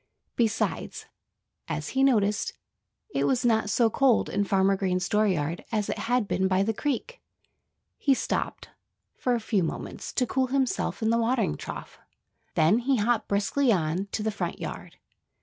Besides, as he noticed, it was not so cold in Farmer Green's dooryard as it had been by the creek. He stopped, for a few moments, to cool himself in the watering trough. And then he hopped briskly on to the front yard.